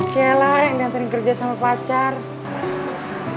cela yang diantarin kerja sama pacar